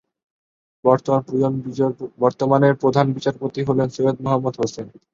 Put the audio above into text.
বর্তমান প্রধান বিচারপতি হলেন সৈয়দ মাহমুদ হোসেন।